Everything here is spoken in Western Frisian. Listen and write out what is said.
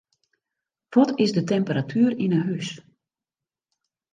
Wat is de temperatuer yn 'e hús?